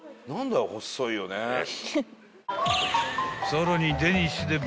［さらに］